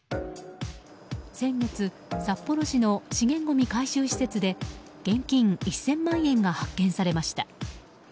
先月札幌市の資源ごみ回収施設で現金１０００万円が発見されました。